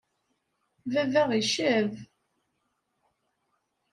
Baba icab.